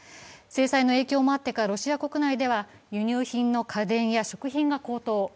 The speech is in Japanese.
制裁の影響もあってか、ロシア国内では輸入品の家電や食料が高騰。